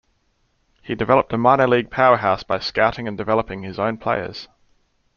He developed a minor league powerhouse by scouting and developing his own players.